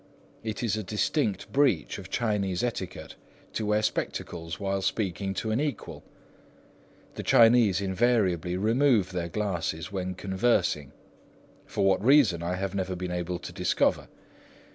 It is a distinct breach of Chinese etiquette to wear spectacles while speaking to an equal. The Chinese invariably remove their glasses when conversing; for what reason I have never been able to discover.